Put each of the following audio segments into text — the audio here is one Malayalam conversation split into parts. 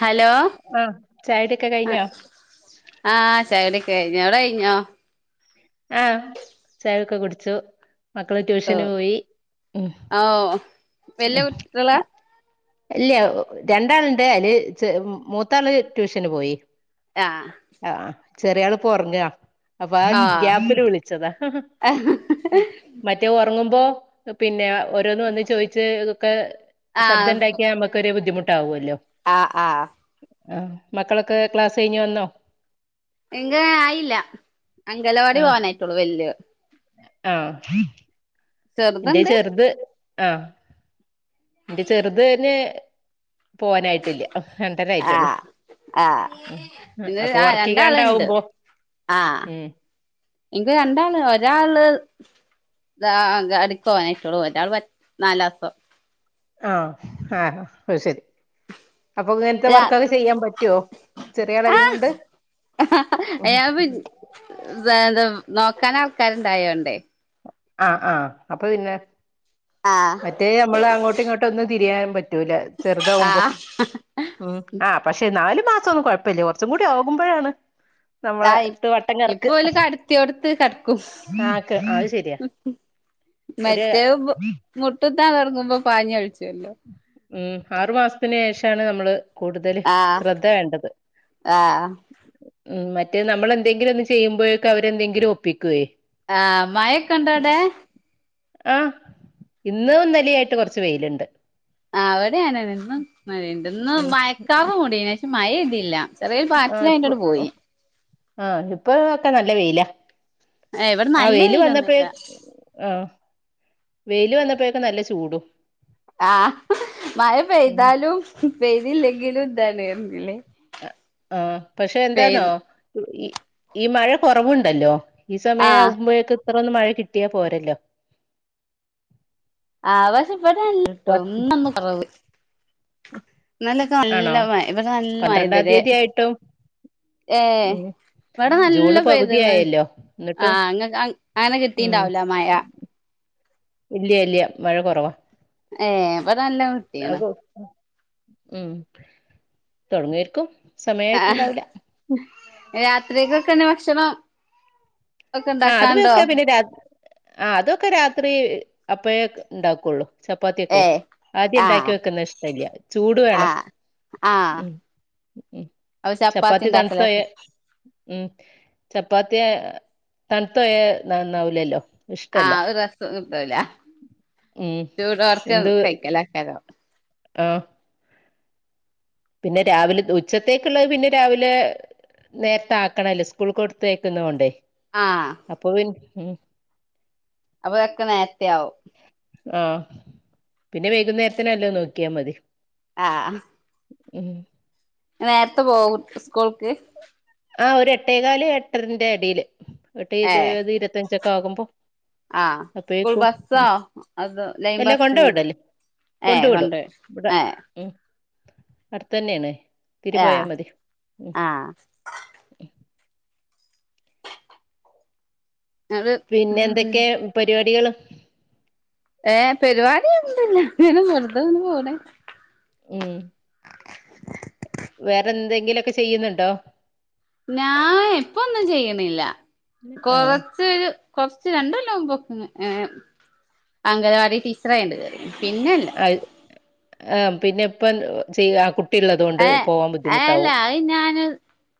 ഹലോ ആഹ് ചായുടിയൊക്കെ കഴിഞ്ഞോ ആ ശരി കയിഞൊടെ കയിഞ്ഞോ ആ ചയൊക്കെ കുടിച്ചു മക്കള് ഓ ട്യൂഷന് പോയി ഓ വല്യ കുട്ടികളാ ഇല്യ രണ്ടാൾണ്ട് അല് മൂത്താള് ട്യൂഷന് പോയി ആ ചെറിയാള് പോറങ്ങാ അപ്പൊ ആ ഗാമ്പില് വിളിച്ചതാ മറ്റേ ഉറങ്ങു അപ്പോ പിന്നെ ഓരോന്ന് വന്ന് ചോയിച്ച് ഇതൊക്കെ ആ നമുക്കോരു ബുദ്ധിമുട്ടാവുല്ലോ ആ ആ ആ മക്കളൊക്കെ ക്ലാസ്സ് കഴിഞ്ഞ് വന്നോ ആയില്ല അംഗലവാടി പോവാനായിട്ടുള്ളു വല്യ ആ ന്റെ ചെറുതുണ്ട് ചെർത് ആ എന്റെ ചെർത്‌ ന് പോവാനായിട്ടില്ല ആ രണ്ടരായിട്ടുള്ളു ആ ഇന്ന് ആ രണ്ടാള് ണ്ട് വർക്കിക്കാണ്ടാവുമ്പോ ആ ഉം [unintelligible] ഒരാള് ന്താ പോവാനായിട്ടൊളൂ ഒരാൾ നാലാ ആ ആ ശെരി അപ്പൊ ഇങ്ങൻത്തെ രാ വർക്കൊക്കെ ചെയ്യാൻ പറ്റൊ ചെറിയ അളായിണ്ട് അയ് ഞാൻ പിൻ [unintelligible] നോക്കൻ ആൾക്കാരുണ്ടായോണ്ടേ ആ ആ അപ്പൊ പിന്നെ ആ മറ്റേ നമ്മൾ അങ്ങോട്ടും ഇങ്ങോട്ടും ഒന്നും തിരിയാൻ പറ്റൂല ചെറുതാവുമ്പോ ആഹ് ഉ ആ പക്ഷെ മാസൊന്നും കുഴപ്പല്യ കൊർച്ചും കൂടി ആകുമ്പയാണ് നമ്മളെ ആയി ട്ട് വട്ടം കറക്ക് ഇപ്പൊ ഓല് കടത്തിയോടത്ത് കടക്കും ആ അത് ശരിയാ ഒരു മറ്റേ മുട്ട്ത്താൻ ഇറങ്ങുമ്പോ പാഞ്ഞഴിച്ചല്ലോ ഉം ആറു മാസത്തിന് ശേഷാണ് നമ്മള് കൂടുതൽ ആഹ് ശ്രദ്ധ വേണ്ടത് ആഹ് മ മറ്റേ നമ്മളെന്തെങ്കിലും ഒന്ന് ചെയ്യുമ്പോഴേക്കെ അവരെന്തെങ്കിലും ഒപ്പിക്കുവേ ആ മയൊക്കെ ഉണ്ടോവിടെ ആ ഇന്നും ഇനലിയായിട്ട് കുറച്ച് വെയിലുണ്ട് അവിടെയനും ഇന്ന് മയ ഉണ്ട് മയക്കാറ് വെ മുടന പക്ഷെ മഴ ഇതില്ല ചെറിയൊരു പാറ്റില അങേടെ പോയി ആഇപ്പ ഒക്കെ നല്ല വെയില ഏഹ് ഇവിടെ ആ നല്ല വെയില് വന്നപ്പോ വെയിലൊന്നുല്ല ആ വെയില് വന്നപ്പോഴേൊക്കെ നല്ല ചൂടും ആ മഴ ഉം പെയ്താലും പെയ്തില്ലെങ്കിലും ഇന്താണല്ലേ ആ പക്ഷെ എന്താന്നോ ഈ മഴ കൊറവുണ്ടല്ലോ ഈ ആഹ് സമയംവുമ്പോഴേക്ക ഇത്രൊന്ന് മഴ കിട്ടിയാ പോരല്ലോ ആവശ ഇപ്പട ട്ടോ ഒന്നന്ന് കുറവ് നല്ലൊക്കെ ആണോ നല്ല ഇവിടെ നല്ല പന്ത്രണ്ടാം മയതരെ തീയതി ആയിട്ടും ഏ ഉം ഇവിടെ നല്ല ജൂണ് പോയത് പകുതി ആയല്ലോ ആ എന്നിട്ടും അങ്ങനെ കിട്ടീണ്ടാവൂല മഴ ഇല്ലയ ഇല്ല മഴ കൊറവാ ഏ ഇവിടെ നല്ല അ കിട്ടീണ് ഉം തുടങ്ങയിരിക്കും ആഹ രാത്രിക്കൊക്കെന്നെ ഭക്ഷണം ഒക്കെ ആ ഇണ്ടാക്കാണ്ടോ അതൊക്കെ പിന്നെത് ആ അതൊക്കെ രാത്രി അപ്പേ ഉണ്ടാക്കുള്ളു ചപ്പാത്തിയ ഒക്കെ ഏ ആദ്യം ഉണ്ടാക്കി ആഹ് വെക്കുന്ന ഇഷ്ടല്ല ചൂട് വേണം ആഹ് ആഹ് ഉ ഉ അപ്പൊ ചപ്പാത്തി തണുത്തു പൊയ ഇണ്ടാക്കലൊക്കെ ഉം ചപ്പാത്തിയ തണുത്തോയനന്നാവലല്ലോ ആ ഒരു സം കിട്ടൂല ഉം ചൂടോഓർക്ക എന്ത് കഴിക്കല ആക്കാലോ ആ പിന്നെ രാവിലെ ഉച്ചത്തേക്കുള്ളത് പിന്നെ രാവിലെ നേരത്തെ ആക്കണല്ലേ സ്കൂൾ കൊടുത്തേക്കുന്ന കൊണ്ടേ ആഹ് അപ്പൊ ഉ അപ്പൊതൊക്കെ നേരത്തെ ആവും ആ പിന്നെ വൈകുന്നേരത്തിനല്ലോ നോക്കിയാൽ മതി ആ ഉം നേരത്തെ പോക സ്കൂൾക്ക് ആ ഒരു എട്ടേകാല് എട്ടരന്റെ അടിയില് എട്ട് ഏ ഇരുത് ഇരുപത്തഞ്ചൊക്കെ ആകുമ്പോ ആഹ് സ്കൂൾ അപ്പേക്കും ബസ്സോ ഉ അതോ ലൈൻ എല്ലാം കൊണ്ട ബസ്സിന് വിടല്ലേ ഏ കൊണ്ട വിടും കൊണ്ട് ഇവിടെ ഏ ഉ അടുത്തതന്നെയണ തിരി ആഹ് പോയാ മതി ഉ ആഹ് ഉ അത് പിന്നെ എന്തൊക്കെ പരിപാടികള് ഏർ പരിപാടി ഉണ്ടല്ല ന വറുതന്ന് പോണ ഉം വേറെ എന്തെങ്കിലുമൊക്കെ ചെയ്യുന്നുണ്ടോ ഞാൻ എപ്പ ഒന്നും ചെയ്യണില്ല ആഹ് കൊറച്ചരു കൊറച്ച് രണ്ടെല്ലാം പോക്കഏ അംഗനവാടി ടീച്ചറായിണ്ട് പിന്നെല്ല ആ ആ പിന്നെ ഇപ്പം ചെയ്യ ആ കുട്ട ഏ അല്ല അത് ഞാന്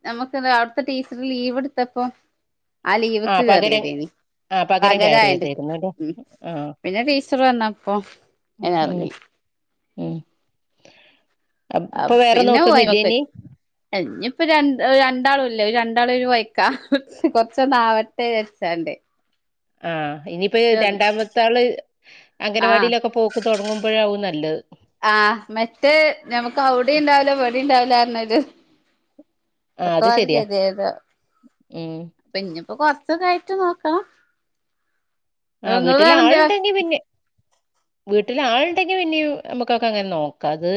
നമ്മുക്ക് ഇ ടീച്ചർ ലീവ് എടുത്തപ്പോ ആ ലീവ്ക്ക് ആഹ് പകരം കേയറിയതദേനി ആഹ് പകരം പകരായന്റെ കയറിയതായിരുന്നുല്ലേ ഉ ആഹ് പിന്നെ ടീച്ചർ വന്നപ്പോ ഉം എനാതല്ല [unintelligible] ഉം ആ ഇപ്പൊ വേറെ പിന്നെ നോക്കുന്നില്ലേ പോയ്മക്ക് ഇനി ഇനിപ്പോ ര രണ്ടാൾ ല്ല രണ്ടാൾ ഒരു വയ്ക്ക കൊറച്ചൊന്ന് ആാവട്ടെ വരിച്ചന്റെ ആഹ ഇനിയിപ്പ രണ്ടാമത്ത ആള് ആഹ് അംഗനവാടിയിലൊക്കെ പോക്ക് തുടങ്ങുമ്പോഴാവും നല്ലത് ആഹ് മറ്റേ നമുക്ക് അവിടെ ഉണ്ടാവലോ പടി ഉണ്ടാവലോ പക്ക വ കേതിത [unintelligible] ഏ ഇപ്പൊ കൊറച്ചൊക്കെ ആായിട്ട് നോക്കണം ആ ഇങ്ങള് വീട്ടില് വേറെന്തേ ആൾുണ്ടെങ്കി പിന്നെ വീട്ടില ആളുണ്ടെങ്കിൽ പിന്നിം നമ്മുക്കൊക്കെ അങ്ങനെ നോക്കാംത്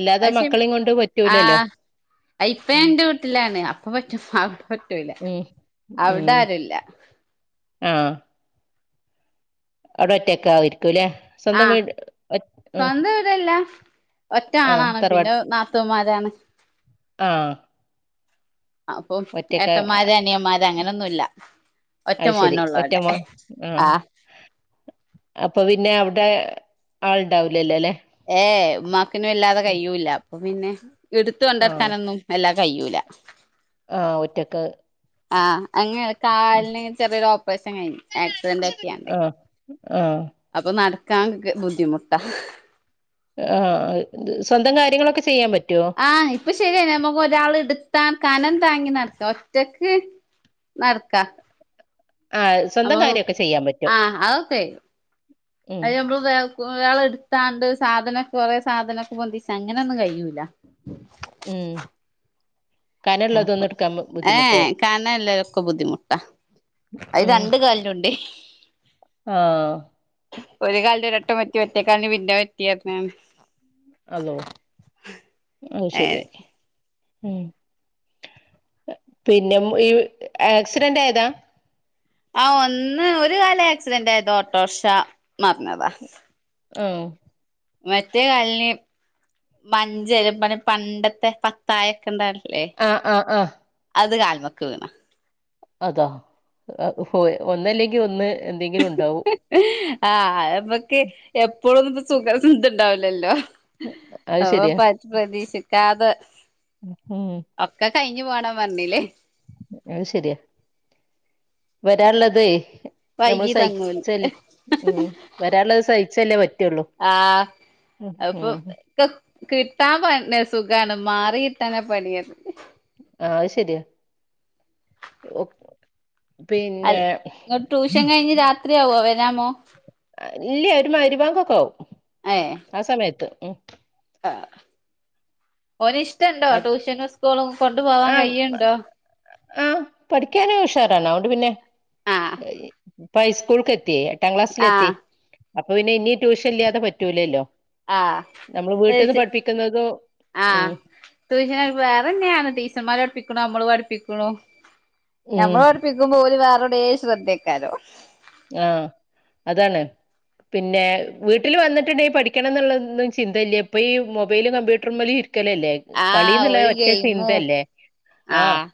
അല്ലാതെ അയ്ശെ മക്കളും കൊണ്ട് പറ്റൂലല്ലോ ആഹ് ഇപ്പ ഞാൻ ഉം ന്റെ വീട്ടിലാണ് അപ്പ പറ്റും അവിടെ പറ്റൂല ഉം അവിടെ ആരുല്ല ആഹ അവിടെ ഒറ്റക്കെ ആയിരിക്കൂല്ലെ ആഹ് സ്വന്തംവീട് [unintelligible] സ്വന്തം വീടല്ല ഒറ്റ ആണാണ് പിന്നെ നാത്തമാരാണ് ആഹ അപ്പൊ ഏട്ടന്മാര് അനിയന്മാര് അങ്ങനൊന്നുമല്ല ഒറ്റ അത് ശരി മോന ഒറ്റ ഉള്ളടെ മോൻ ആ ആഹ അപ്പൊ പിന്നെ അവിടെ ആൾുണ്ടാവൂലല്ലേ അല്ലെ ഏ ഉമ്മാക്കിനും വല്ലാതെ കഴിയൂല്ല അപ്പൊ പിന്നെ എടുത്ത കൊണ്ടിരക്കാനൊന്നും എല്ലാ കയ്യൂല ആഹ് ഒറ്റക്ക് ആഹ് അങ്ങനെയ ഉം, കാലിന് ചെറിയ ം കഴി ആക്സിഡന്റ് ഒക്കെയാ ആ ആ അപ്പൊ നട കാങ്ക്ക് ബുദ്ധിമുട്ട ആ സ്വന്തം കാര്യങ്ങളൊക്കെ ചെയ്യാൻ പറ്റും ആഹ ഇപ്പൊ ശരിയന്ന നമ്മക്ക് ഒരാൾ ഇടു കനം താങ്ങി നടക്ക ഒറ്റക്ക് നടക്കാം ആ സ്വന്തം നമ്മൾ കാര്യമൊക്കെ ചെയ്യാൻ പറ്റും ആഹ അതക്കെ ഉം അ നമ്മള് കുരാള എടുത്താണ്ട് സാധനൊക്കെ കൊറെേ സാധനമൊക്കെ ബന്തിച്ച അങ്ങനെയൊന്നും കഴിയൂല ഏ അപ്പൊ ഏ കണല്ലരൊക്കെ ബുദ്ധിമുട്ടാ അത് രണ്ട് കാലിനുണ്ട് ആഹ ഒരു കാലന്റെരട്ടംമത്തി മറ്റേ കാലന് പിന്നെ പറ്റി അലോ ആ ശരിയ അങ്ങനെ ഉ പിന്നെ ഈ ആക്സിഡന്റ് ആയതാ ആഹ ഒന്ന് ഒരു കാലം ആക്സിഡന്റ് ആയത്ോ ഓട്ടോഷ മറഞ്ഞതാ ഓ മറ്റേ കാലിന് മഞ്ചര പറ പണ്ടത്തെ പത്തായ ഒക്കെ ഉണ്ടല്ലോ ആഹ് ആഹ് ആഹ അതൊക്കെ വണ അതാ പോ ഒന്നല്ലെങ്കിൽ ഒന്ന് എന്തെങ്കിലും ഉണ്ടാവും ആഹ [unintelligible] എപ്പോഴുംന്നും ഇപ്പോ സുഖസം ഇന്തണ്ടാവില്ലല്ലോ അത് അ പ പ്രതീക്ഷ കാത് ഹം കഴിഞ്ഞു പോകണം പറഞ്ഞില്ലേ അത് ശരിയാ വരാനുള്ളത് നമ്മൾ വൈകി തങ്ങൂല് സഹിച്ചല്ലേ ഉം വരുള്ളത് സഹിച്ചല്ലേ പറ്റുള്ളു ആഹ് അപ്പൊ ക്കകിട്ടാൻ [unintelligible] സുഖാണ് മാറി കിട്ടാനാ പണി പറഞ്ഞ് ആഹ അത് ശെരിയാ ഓ അ ഇങ്ങോട്ട് ട്യൂഷൻ കഴിഞ്ഞ് രാത്രിയാവ വരാമോ ഇല്ല ഒരു മഗ്രിബ് ബാങ്കൊക്കാവും ആ സമയത്ത് ഉം ആ ഓന് ഇഷ്ടണ്ടോ അത് ട്യൂഷനും സ്കൂളും കൊ ണ്ട് പോവാൻ കയുണ്ടോ ആ പഠിക്കാന് ഉഷാറാണ് അത്കൊണ്ട് പിന്നെ ആഹ് പ്പം ഹൈസ്കൂൾക്ക് എ ത്തി എട്ടാം ക്ലാസ്സിലെത്തി ആഹ് അപ്പൊ പിന്നെ ഇനി ട്യൂഷൻ ഇല്ലാതെ പറ്റൂലല്ലോ ആഹ് നമ്മൾ വീട്ടിൽന്ന് ഏച്ചി പഠിപ്പിക്കുന്നതും ആഹ് ട്യൂഷന് വേറെന്നെയാണ് ടീ ച്ചർമാര് പഠപ്പിക്കുണ് നമ്മളും പഠിപ്പിക്കുണ് ഉം ഞമ്മളും പഠിപ്പിക്കുമ്പോൾ ഓല് വേറെ വേ ശ്രദ്ധക്കാരോ ആഹ അതാണ് പിന്നെ വീട്ടില് വന്നിട്ടുണ്ടെങ്കി പഠിക്കണം എന്നുള്ളൊന്നും ചിന്തയില്ല ഇപ്പൊ ഈ മൊബൈലും കമ്പ്യൂട്ടറും മേലെ ഇരി- ക്കലല്ലേ ആഹ് കളിന്നുള്ള ഒരു ഒറ്റ ഗെയിമു ചിന്തയല്ലേ ആ ആഹ്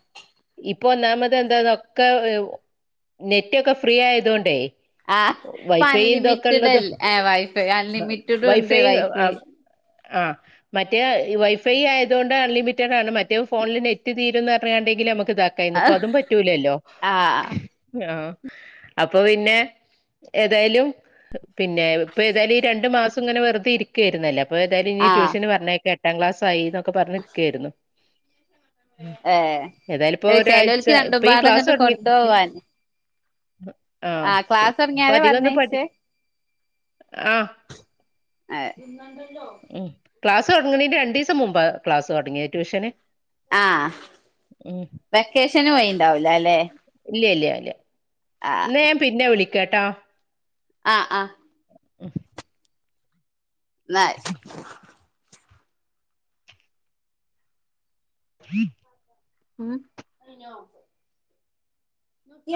ഇ പ്പൊ ഒന്നാമത് എന്താ ഒക്കെ നെറ്റൊക്കെ ഫ്രീ ആയത്കൊണ്ടേ ആഹ് ഇപ്പൊ അൺലിമിറ്റഡ് അല്ലേ ആ വൈഫൈ അൺലിമിറ്റഡുണ്ട് വൈഫൈ ആ മറ്റേ വൈഫൈ ആയതുകൊണ്ട് അൺലിമിറ്റഡ് ആണ് മറ്റേ ഫോണിൽ നെറ്റ് തീരുന്ന് പറഞ്ഞുകൊണ്ട് നമുക്ക് ഇതാക്കായാണ്ന്നു ഇത് ആഹ് ഇപ്പൊ അതും പറ്റൂലല്ലോ ആഹ് ആഹ അപ്പൊ പിന്നെ ഏതായാലും പിന്നെ ഇപ്പൊ ഏതായാലും ഈ രണ്ടു മാസം ഇങ്ങനെ വെറുതെ ഇരിക്കായിരുന്നല്ലോ അപ്പൊ ഏതായാലും ഇനി ആഹ് ട്യൂഷന് പറഞ്ഞയക്കാം എട്ടാം ക്ലാസായിന്നൊക്കെ പറഞ്ഞിനിക്കയായിരുന്നു ഏഹ് ഏതായാലും ഇപ്പോ അത് ഒരാഴ്ച ചെലോൽക്ക് ഇപ്പോ ഈ ക്ലാസ്സ് രണ്ടുംപാടങ്ങട്ട് തെടങ്ങി കൊണ്ടോവാന് [unintelligible] ആഹ ആഹ് പി ക്ലാസ് ഇപ്പം തൊടങ്ങിയാരെ അധികമൊന്ന് പഠി പറഞ്ഞയച്ചേ ആഹ് ആ [unintelligible] ഉം ക്ലാസ് തൊടങ്ങന്നതിന്‍റെ രണ്ടീസം മുമ്പ് ക്ലാസ് തൊടങ്ങിയ ട്യൂഷന് ആഹ ഉം വെക്കേഷന് പോയ്ണ്ടാവൂലാല്ലേ [unintelligible] ഇന്ന് ഞാന്‍ പിന്നെ വിളിക്കാട്ടോ ആഹ ആഹ ഉം ന [unintelligible] [inaudible] ഉം [unintelligible]